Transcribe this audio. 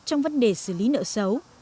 trong vấn đề xử lý nợ xấu